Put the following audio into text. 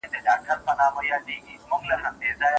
د رمز خبره يې د شونډو په موسکا کې نشته